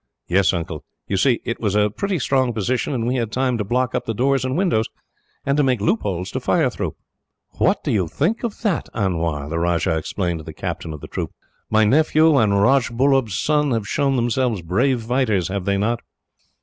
"Yes, Uncle. You see, it was a pretty strong position, and we had time to block up the doors and windows, and to make loopholes to fire through." "What think you of that, Anwar?" the Rajah exclaimed to the captain of the troop. "My nephew and Rajbullub's son have shown themselves brave fighters, have they not?"